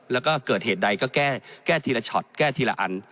แล้วก็เกิดเหตุใดก็แก้ทีละช็อตแก้ทีละอัน